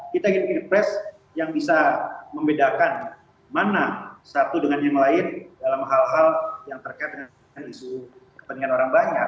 kita ingin pilpres yang bisa membedakan mana satu dengan yang lain dalam hal hal yang terkait dengan isu kepentingan orang banyak